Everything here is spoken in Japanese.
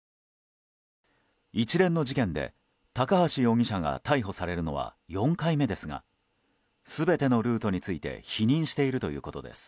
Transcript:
一連の事件で高橋容疑者が逮捕されるのは４回目ですが全てのルートについて否認しているということです。